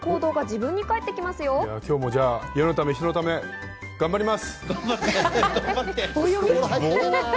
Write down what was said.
今日も、じゃあ、人のため、世のため頑張ります。